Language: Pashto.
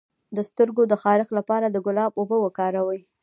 د سترګو د خارښ لپاره د ګلاب اوبه وکاروئ